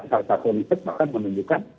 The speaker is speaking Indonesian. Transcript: salah satu riset bahkan menunjukkan